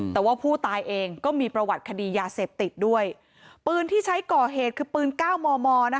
แต่ว่าผู้ตายเองก็มีประวัติคดียาเสพติดด้วยปืนที่ใช้ก่อเหตุคือปืนเก้ามอมอนะคะ